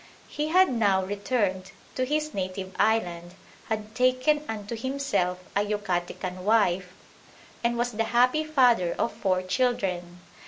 He had now returned to his native island, had taken unto himself a Yucatecan wife, and was the happy father of four children.